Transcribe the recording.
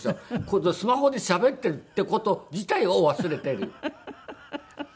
このスマホでしゃべってるって事自体を忘れてる。